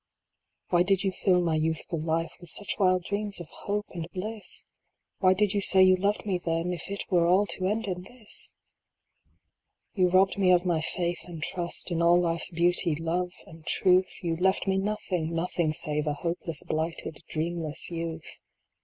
Why did you fill my youthful life With such wild dreams of hope and bliss ? Why did you say you loved me then, If it were all to end in this ? You robbed me of my faith and trust In all Life s beauty Love and Truth, You left me nothing nothing save A hopeless, blighted, dreamless youth.